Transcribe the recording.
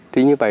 thì như vậy